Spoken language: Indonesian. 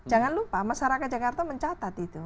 jangan lupa masyarakat jakarta mencatat itu